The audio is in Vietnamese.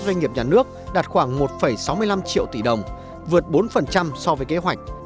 doanh nghiệp nhà nước đạt khoảng một sáu mươi năm triệu tỷ đồng vượt bốn so với kế hoạch